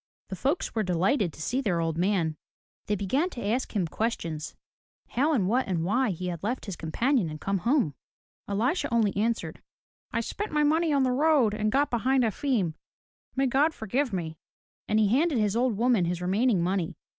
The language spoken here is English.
The folks were delighted to see their old man. They began to 162 FROM THE TOWER WINDOW ask him questions, — how and what and why he had left his com panion and come home. EHsha only answered, " I spent my money on the road and got behind Efim. May God forgive me!'* And he handed his old woman his remaining money.